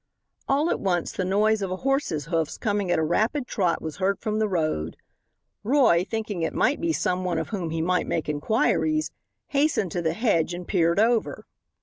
All at once, the noise of a horse's hoofs coming at a rapid trot was heard from the road. Roy, thinking it might be some one of whom he might make inquiries, hastened to the hedge and peered over.